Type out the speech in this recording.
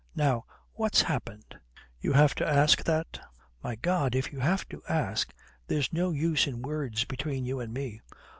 Now, what's happened?" "You have to ask that? My God, if you have to ask, there's no use in words between you and me."